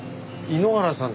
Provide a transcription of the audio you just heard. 井ノ原さん？